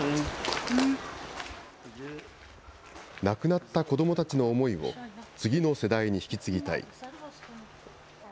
亡くなった子どもたちの思いを次の世代に引き継ぎたい。